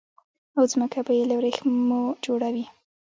او ځمکه به يي له وريښمو جوړه وي